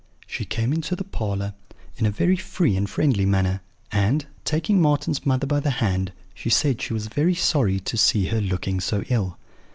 She came into the parlour in a very free and friendly manner, and, taking Marten's mother by the hand, she said she was very sorry to see her looking so ill.